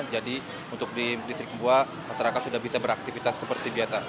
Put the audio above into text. jadi untuk di distrik bua masyarakat sudah bisa beraktivitas seperti biasa